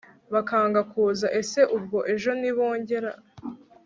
bakanga kuza! ese ubwo ejo nibongera